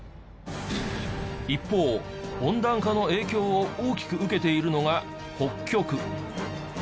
一方温暖化の影響を大きく受けているのが北極。